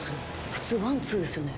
普通ワンツーですよね。